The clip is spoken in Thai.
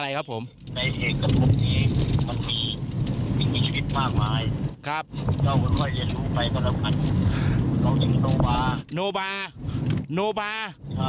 ในปุ่มนี้มันกิจผิดมากมายก็ว่าเราต้องไปหาเนื้อโรบาร์